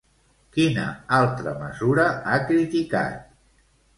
Quina altra mesura ha criticat?